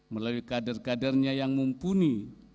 melalui kader kadernya yang mumpuni